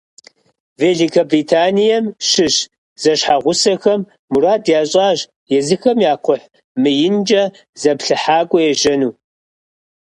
Великобританием щыщ зэщхьэгъусэхэм мурад ящӏащ езыхэм я кхъухь мыинкӏэ зыплъыхьакӏуэ ежьэну.